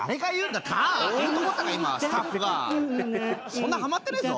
そんなハマってないぞ。